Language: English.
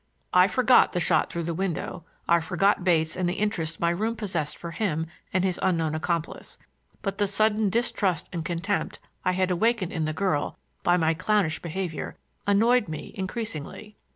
I forgot the shot through the window; I forgot Bates and the interest my room possessed for him and his unknown accomplice; but the sudden distrust and contempt I had awakened in the girl by my clownish behavior annoyed me increasingly.